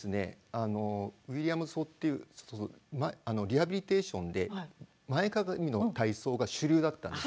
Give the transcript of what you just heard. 当時、ウィリアム法というリハビリテーションで前かがみの体操が主流だったんです。